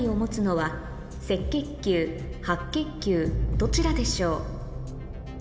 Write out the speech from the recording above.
どちらでしょう？